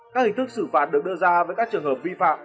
các hình thức xử phạt được đưa ra với các trường hợp vi phạm